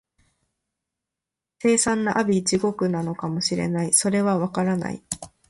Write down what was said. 凄惨な阿鼻地獄なのかも知れない、それは、わからない